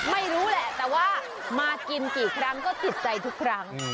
ไม่รู้แหละแต่ว่ามากินกี่ครั้งก็ติดใจทุกครั้ง